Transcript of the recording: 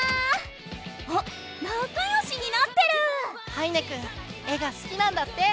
羽稲くん絵がすきなんだって！